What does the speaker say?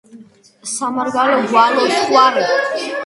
სამარგალო გვალო შხვა რე